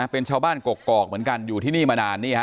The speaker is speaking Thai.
เป็นชาวบ้านกกอกเหมือนกันอยู่ที่นี่มานานนี่ฮะ